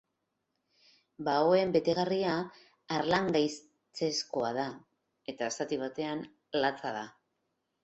Baoen betegarria harlangaitzezkoa da, eta zati batean latza da.